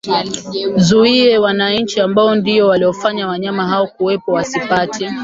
zuiwe wananchi ambao ndio waliowafanya wanyama hao kuwepo wasipate